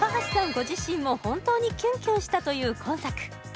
ご自身も本当にキュンキュンしたという今作